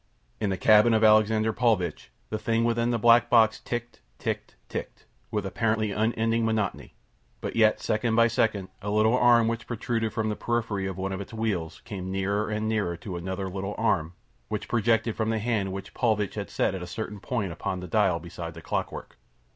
In the cabin of Alexander Paulvitch the thing within the black box ticked, ticked, ticked, with apparently unending monotony; but yet, second by second, a little arm which protruded from the periphery of one of its wheels came nearer and nearer to another little arm which projected from the hand which Paulvitch had set at a certain point upon the dial beside the clockwork.